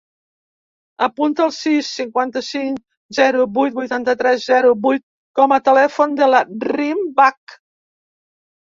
Apunta el sis, cinquanta-cinc, zero, vuit, vuitanta-tres, zero, vuit com a telèfon de la Rim Bach.